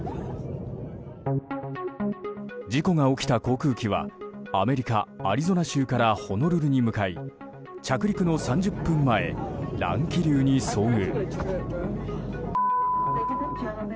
事故が起きた航空機はアメリカ・アリゾナ州からホノルルに向かい着陸の３０分前、乱気流に遭遇。